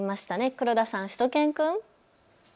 黒田さん、しゅと犬くん。